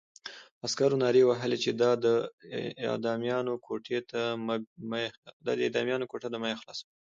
عسکرو نارې وهلې چې دا د اعدامیانو کوټې دي مه یې خلاصوئ.